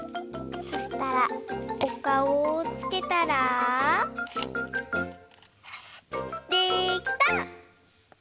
そしたらおかおをつけたらできた！